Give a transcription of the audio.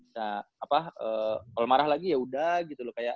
nah apa kalau marah lagi yaudah gitu loh kayak